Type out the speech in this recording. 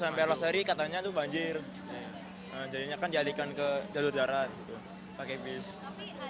tapi ada perbedaan atau enggak kalau tadi kan diopera pakai bus sama harusnya pakai kereta